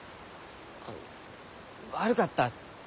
あ悪かった。